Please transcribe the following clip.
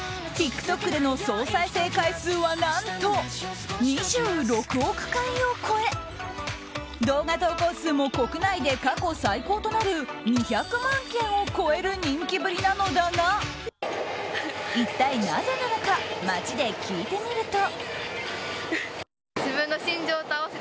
ＴｉｋＴｏｋでの総再生回数は何と２６億回を超え動画投稿数も国内で過去最高となる２００万件を超える人気ぶりなのだが一体なぜなのか街で聞いてみると。